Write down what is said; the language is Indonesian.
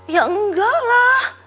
ya enggak lah